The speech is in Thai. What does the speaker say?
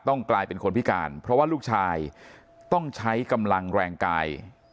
กลายเป็นคนพิการเพราะว่าลูกชายต้องใช้กำลังแรงกาย